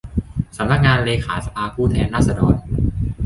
สำนักงานเลขาสภาผู้แทนราษฎร